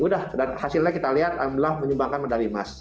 udah dan hasilnya kita lihat alhamdulillah menyumbangkan medali emas